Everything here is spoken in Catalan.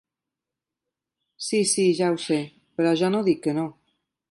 Sí, sí, ja ho sé, però jo no dic que no...